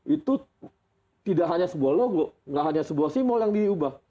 itu tidak hanya sebuah logo tidak hanya sebuah simbol yang diubah